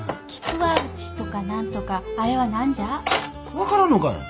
分からんのか？